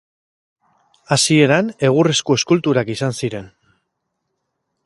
Hasieran egurrezko eskulturak izan ziren.